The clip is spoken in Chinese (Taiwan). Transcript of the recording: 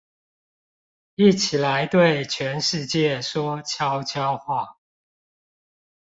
一起來對全世界說悄悄話